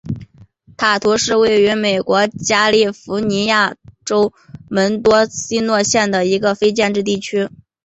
塔图是位于美国加利福尼亚州门多西诺县的一个非建制地区。